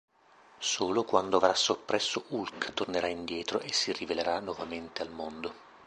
Solo quando avrà soppresso Hulk tornerà indietro e si rivelerà nuovamente al mondo.